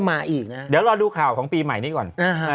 เดี๋ยวเราดูข่าวของปีใหม่นี้ก่อน